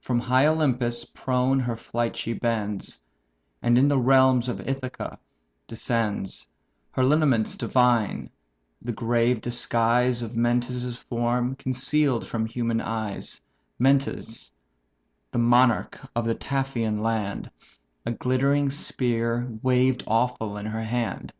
From high Olympus prone her flight she bends, And in the realms of Ithaca descends, Her lineaments divine, the grave disguise Of Mentes' form conceal'd from human eyes (Mentes, the monarch of the Taphian land); A glittering spear waved awful in her hand.